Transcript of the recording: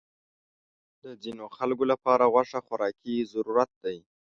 د ځینو خلکو لپاره غوښه خوراکي ضرورت دی.